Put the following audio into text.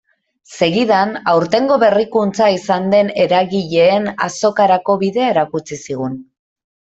Segidan, aurtengo berrikuntza izan den eragileen azokarako bidea erakutsi zigun.